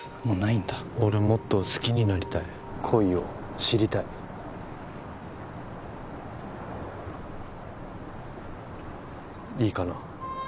もうないんだ俺もっと好きになりたい恋を知りたいいいかな？